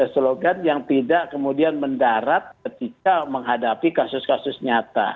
slogan yang tidak kemudian mendarat ketika menghadapi kasus kasus nyata